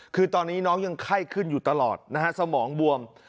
คือตอนนี้น้องยังไข้ขึ้นอยู่ตลอดนะฮะสมองบวม